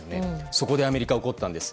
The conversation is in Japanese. そこでアメリカは怒ったんです。